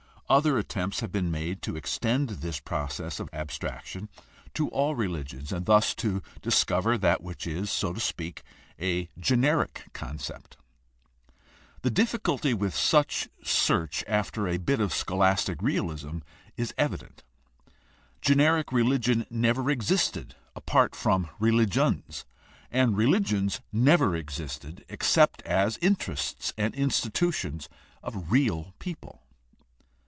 Other attempts have been made to extend this process of abstraction to all religions, and thus to discover that which is, so to speak, a generic concept. The difhculty with such search after a bit of scholastic realism is evident. Generic religion never existed apart from religions, and religions never existed except as interests and institutions of real people.